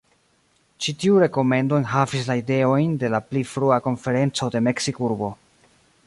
Ĉi tiu rekomendo enhavis la ideojn de la pli frua konferenco en Meksikurbo.